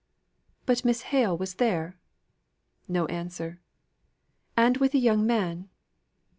"But Miss Hale was there?" No answer. "And with a young man?"